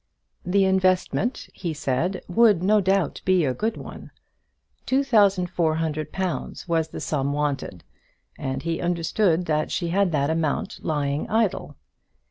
The investment, he said, would, no doubt, be a good one. Two thousand four hundred pounds was the sum wanted, and he understood that she had that amount lying idle.